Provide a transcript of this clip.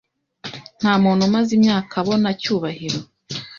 Ntamuntu umaze imyaka abona Cyubahiro.